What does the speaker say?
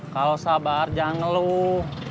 kalo sabar jangan ngeluk